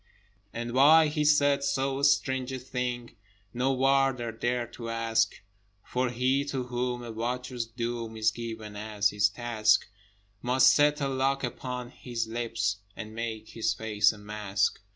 But why he said so strange a thing No Warder dared to ask: For he to whom a watcher's doom Is given as his task, Must set a lock upon his lips, And make his face a mask.